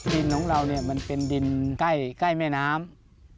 ดินของเราเนี่ยมันเป็นดินใกล้แม่น้ำ